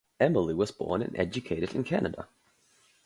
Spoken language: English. Emily was born and educated in Canada.